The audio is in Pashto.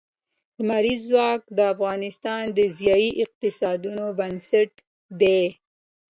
لمریز ځواک د افغانستان د ځایي اقتصادونو بنسټ دی.